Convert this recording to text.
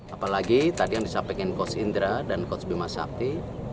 apalagi tadi yang disampaikan coach indra dan coach bimasabdi